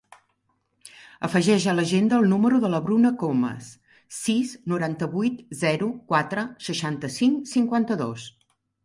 Afegeix a l'agenda el número de la Bruna Comas: sis, noranta-vuit, zero, quatre, seixanta-cinc, cinquanta-dos.